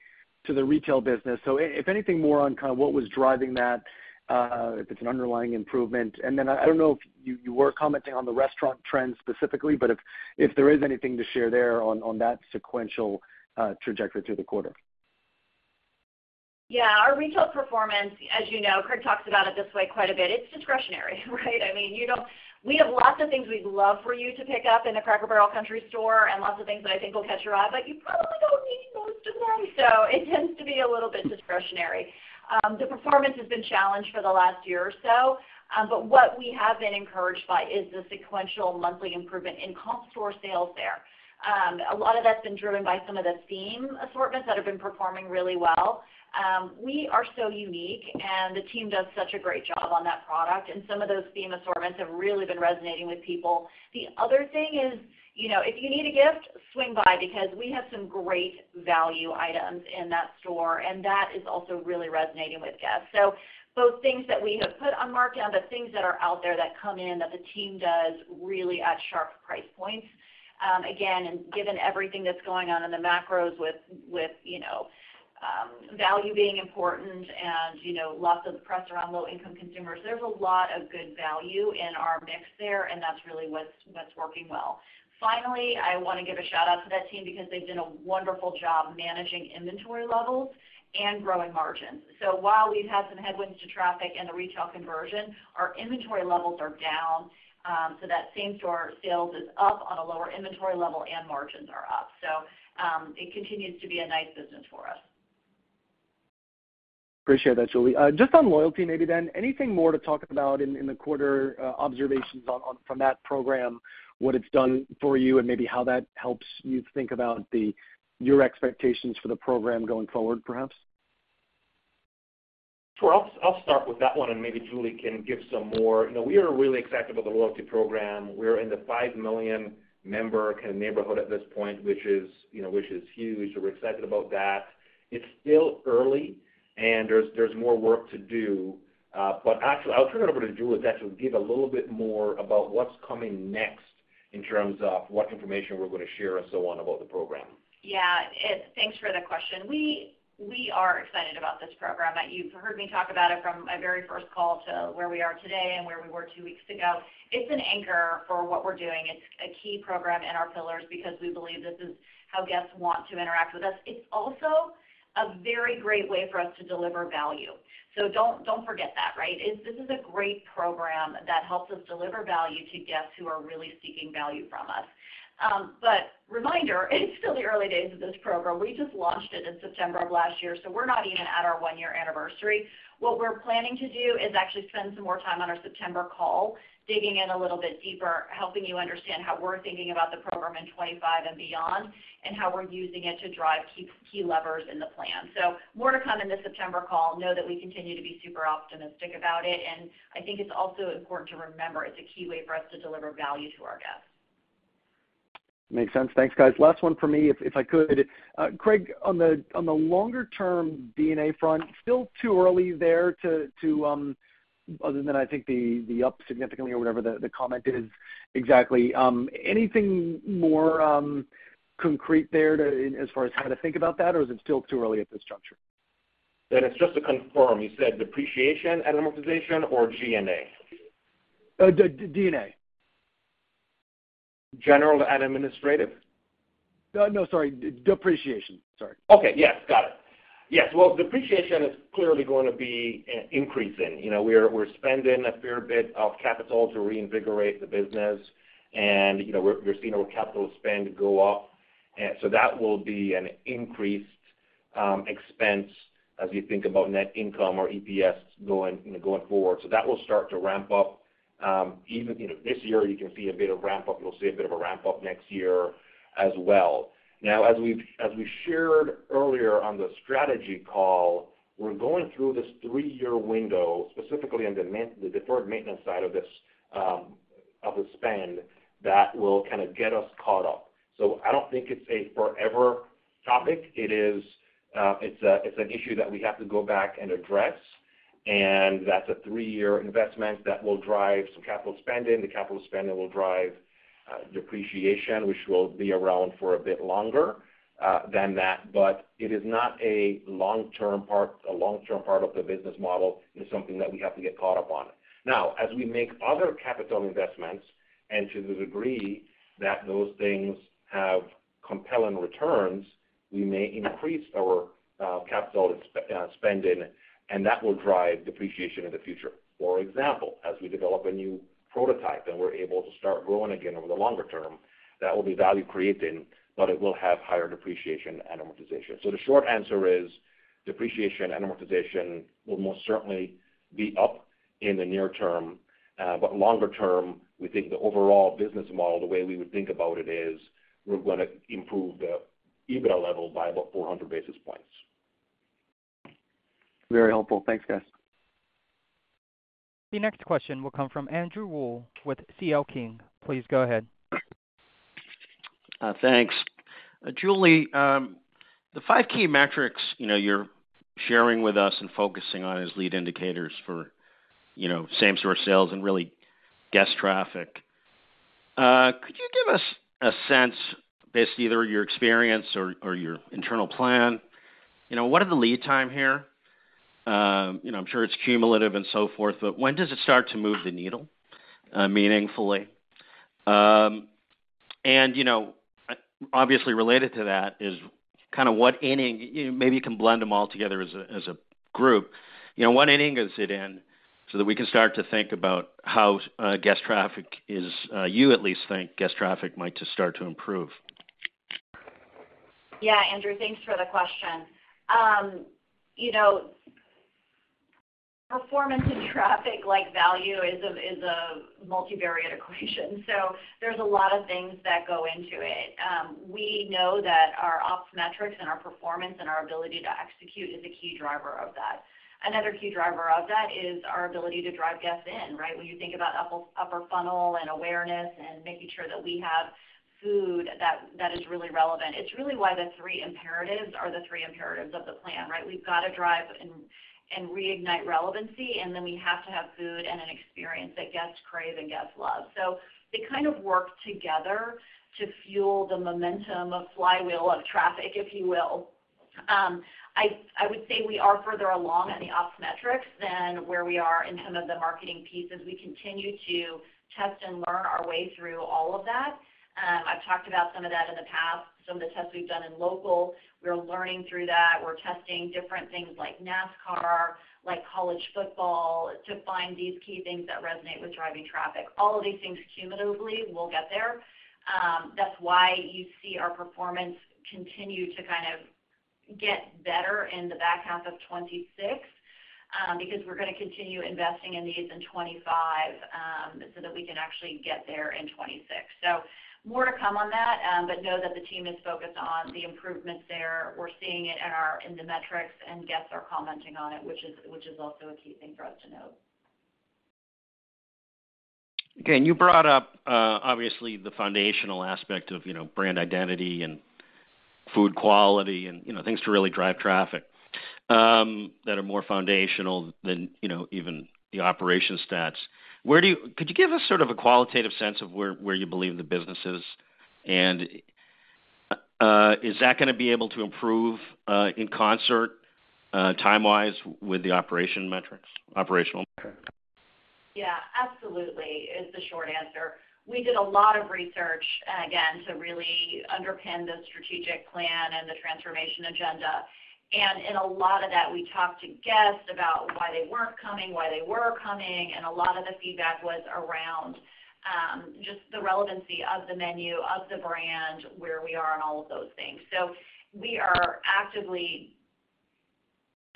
retail business. So if anything more on kind of what was driving that, if it's an underlying improvement. And then I don't know if you were commenting on the restaurant trends specifically, but if there is anything to share there on that sequential trajectory through the quarter. Yeah. Our retail performance, as you know, Craig talks about it this way quite a bit, it's discretionary, right? I mean, you don't. We have lots of things we'd love for you to pick up in the Cracker Barrel Country Store and lots of things that I think will catch your eye, but you probably don't need most of them, so it tends to be a little bit discretionary. The performance has been challenged for the last year or so. But what we have been encouraged by is the sequential monthly improvement in comp store sales there. A lot of that's been driven by some of the theme assortments that have been performing really well. We are so unique, and the team does such a great job on that product, and some of those theme assortments have really been resonating with people. The other thing is, you know, if you need a gift, swing by because we have some great value items in that store, and that is also really resonating with guests. So both things that we have put on markdown, but things that are out there that come in, that the team does really at sharp price points. Again, and given everything that's going on in the macros with, you know, value being important and, you know, lots of press around low-income consumers, there's a lot of good value in our mix there, and that's really what's working well. Finally, I want to give a shout-out to that team because they've done a wonderful job managing inventory levels and growing margins. So while we've had some headwinds to traffic and the retail conversion, our inventory levels are down. So, that same-store sales is up on a lower inventory level, and margins are up. So, it continues to be a nice business for us. Appreciate that, Julie. Just on loyalty, maybe then, anything more to talk about in the quarter, observations on from that program, what it's done for you, and maybe how that helps you think about your expectations for the program going forward, perhaps? Sure. I'll start with that one, and maybe Julie can give some more. You know, we are really excited about the loyalty program. We're in the 5 million member kind of neighborhood at this point, which is, you know, which is huge. So we're excited about that. It's still early, and there's more work to do. But actually, I'll turn it over to Julie to actually give a little bit more about what's coming next in terms of what information we're gonna share and so on about the program. Yeah, thanks for the question. We are excited about this program. You've heard me talk about it from my very first call to where we are today and where we were two weeks ago. It's an anchor for what we're doing. It's a key program in our pillars because we believe this is how guests want to interact with us. It's also a very great way for us to deliver value. So don't forget that, right? It's this is a great program that helps us deliver value to guests who are really seeking value from us. But reminder, it's still the early days of this program. We just launched it in September of last year, so we're not even at our one-year anniversary. What we're planning to do is actually spend some more time on our September call, digging in a little bit deeper, helping you understand how we're thinking about the program in 25 and beyond, and how we're using it to drive key, key levers in the plan. So more to come in the September call. Know that we continue to be super optimistic about it, and I think it's also important to remember it's a key way for us to deliver value to our guests. Makes sense. Thanks, guys. Last one for me, if I could. Craig, on the longer term D&A front, still too early there to other than I think the up significantly or whatever the comment is exactly. Anything more concrete there to as far as how to think about that, or is it still too early at this juncture? Just to confirm, you said depreciation and amortization or G&A? D&A. General and administrative? No, sorry. Depreciation. Sorry. Okay. Yes, got it. Yes, well, depreciation is clearly going to be increasing. You know, we're spending a fair bit of capital to reinvigorate the business, and, you know, we're seeing our capital spend go up. And so that will be an increased expense as you think about net income or EPS going, you know, going forward. So that will start to ramp up, even, you know, this year, you can see a bit of ramp up. You'll see a bit of a ramp up next year as well. Now, as we shared earlier on the strategy call, we're going through this three-year window, specifically on the deferred maintenance side of this, of the spend, that will kind of get us caught up. So I don't think it's a forever topic. It is, it's a, it's an issue that we have to go back and address, and that's a three-year investment that will drive some capital spending. The capital spending will drive, depreciation, which will be around for a bit longer, than that. But it is not a long-term part, a long-term part of the business model. It's something that we have to get caught up on. Now, as we make other capital investments, and to the degree that those things have compelling returns, we may increase our, capital spending, and that will drive depreciation in the future. For example, as we develop a new prototype, and we're able to start growing again over the longer term, that will be value creating, but it will have higher depreciation and amortization. The short answer is, depreciation and amortization will most certainly be up in the near term. But longer term, we think the overall business model, the way we would think about it, is we're gonna improve the EBITDA level by about 400 basis points. Very helpful. Thanks, guys. The next question will come from Andrew Wolf with CL King. Please go ahead. Thanks. Julie, the five key metrics, you know, you're sharing with us and focusing on as lead indicators for, you know, same store sales and really guest traffic. Could you give us a sense, based either on your experience or your internal plan, you know, what are the lead time here? You know, I'm sure it's cumulative and so forth, but when does it start to move the needle meaningfully? And, you know, obviously related to that is kind of what inning. Maybe you can blend them all together as a group, you know, what inning is it in, so that we can start to think about how guest traffic is, you at least think guest traffic might just start to improve? Yeah, Andrew, thanks for the question. You know, performance and traffic, like value, is a multivariate equation, so there's a lot of things that go into it. We know that our ops metrics and our performance and our ability to execute is a key driver of that. Another key driver of that is our ability to drive guests in, right? When you think about upper funnel and awareness and making sure that we have food that is really relevant, it's really why the three imperatives are the three imperatives of the plan, right? We've got to drive and reignite relevancy, and then we have to have food and an experience that guests crave and guests love. So they kind of work together to fuel the momentum, a flywheel of traffic, if you will. I would say we are further along in the ops metrics than where we are in some of the marketing pieces. We continue to test and learn our way through all of that. I've talked about some of that in the past, some of the tests we've done in local. We're learning through that. We're testing different things like NASCAR, like college football, to find these key things that resonate with driving traffic. All of these things cumulatively will get there. That's why you see our performance continue to kind of get better in the back half of 2026, because we're gonna continue investing in these in 2025, so that we can actually get there in 2026. So more to come on that, but know that the team is focused on the improvements there. We're seeing it in our, in the metrics, and guests are commenting on it, which is, which is also a key thing for us to note. Again, you brought up, obviously, the foundational aspect of, you know, brand identity and food quality and, you know, things to really drive traffic, that are more foundational than, you know, even the operation stats. Could you give us sort of a qualitative sense of where, where you believe the business is? And, is that gonna be able to improve, in concert, time-wise, with the operation metrics, operational metrics? Yeah, absolutely, is the short answer. We did a lot of research, again, to really underpin the strategic plan and the transformation agenda. And in a lot of that, we talked to guests about why they weren't coming, why they were coming, and a lot of the feedback was around just the relevancy of the menu, of the brand, where we are on all of those things. So we are actively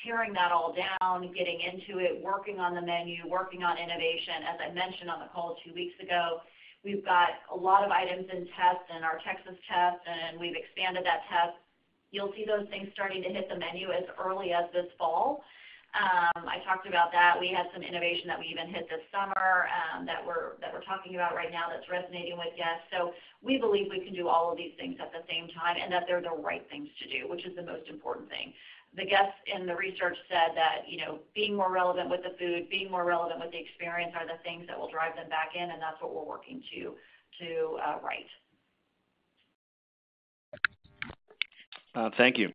tearing that all down, getting into it, working on the menu, working on innovation. As I mentioned on the call two weeks ago, we've got a lot of items in test, in our Texas test, and we've expanded that test. You'll see those things starting to hit the menu as early as this fall. I talked about that. We had some innovation that we even hit this summer, that we're talking about right now, that's resonating with guests. So we believe we can do all of these things at the same time, and that they're the right things to do, which is the most important thing. The guests in the research said that, you know, being more relevant with the food, being more relevant with the experience, are the things that will drive them back in, and that's what we're working to right. Thank you.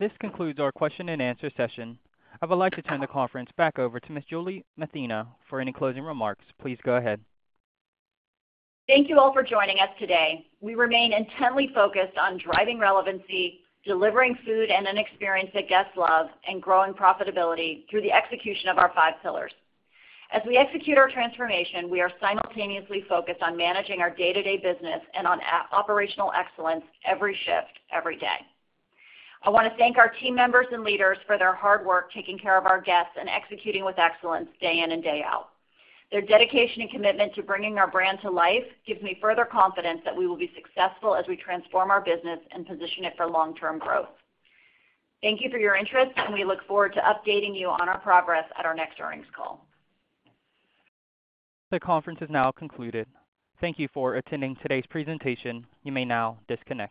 This concludes our question and answer session. I would like to turn the conference back over to Ms. Julie Masino for any closing remarks. Please go ahead. Thank you all for joining us today. We remain intently focused on driving relevancy, delivering food and an experience that guests love, and growing profitability through the execution of our five pillars. As we execute our transformation, we are simultaneously focused on managing our day-to-day business and on operational excellence every shift, every day. I want to thank our team members and leaders for their hard work, taking care of our guests and executing with excellence day in and day out. Their dedication and commitment to bringing our brand to life gives me further confidence that we will be successful as we transform our business and position it for long-term growth. Thank you for your interest, and we look forward to updating you on our progress at our next earnings call. The conference is now concluded. Thank you for attending today's presentation. You may now disconnect.